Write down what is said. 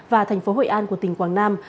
và thành phố hội an của tỉnh quảng nam